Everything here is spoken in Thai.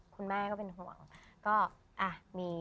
คุณแม่ก็จะเป็นห่วง